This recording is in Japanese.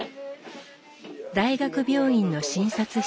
大学病院の診察室。